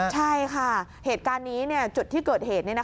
ใช่ค่ะเหตุการณ์นี้จุดที่เกิดเหตุ